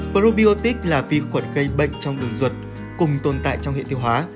probiotic là vi khuẩn gây bệnh trong đường ruột cùng tồn tại trong hiện tiêu hóa